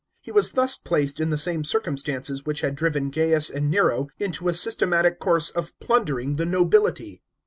He was thus placed in the same circum stances which had driven Gaius and Nero into a systematic course of plundering the nobility.